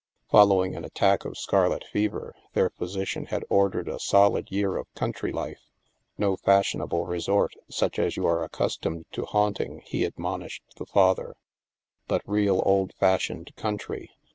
Following an attack of scarlet fever, their physician had ordered a solid year of country life. No fashionable resort, such as you are accustomed to haunting," he admonished the father, " but real old fashioned country.